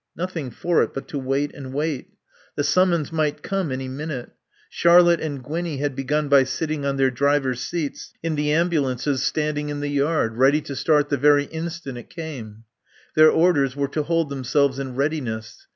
Nothing for it but to wait and wait. The summons might come any minute. Charlotte and Gwinnie had begun by sitting on their drivers' seats in the ambulances standing in the yard, ready to start the very instant it came. Their orders were to hold themselves in readiness.